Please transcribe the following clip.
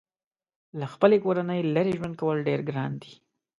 له خپلې کورنۍ لرې ژوند کول ډېر ګران دي.